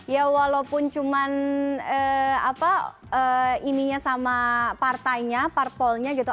ya walaupun cuma ini sama partainya partpolnya gitu